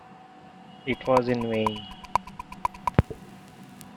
It was in vain.